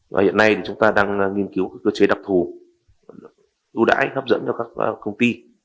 và hiện nay thì chúng ta đang nghiên cứu các cơ chế đặc thù ưu đãi hấp dẫn cho các công ty